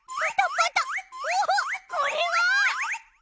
おっこれは！